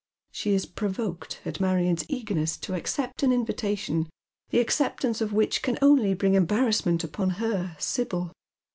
She is provoked at Marion's eagerness to accept an invitation, the acceptance of which can only bring embarrassment upon her, Sibyl.